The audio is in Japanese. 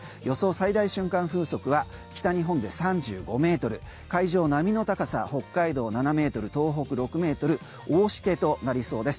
最大瞬間風速は北日本で３５ｍ海上の波の高さ北海道７ｍ、東北６ｍ大しけとなりそうです。